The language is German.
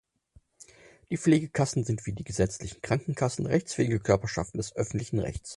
Die Pflegekassen sind wie die gesetzlichen Krankenkassen rechtsfähige Körperschaften des öffentlichen Rechts.